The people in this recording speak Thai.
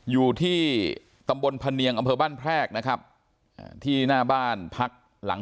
อยู่ที่ตำบลพะเนียงอำเภอบ้านแพรกนะครับที่หน้าบ้านพักหลัง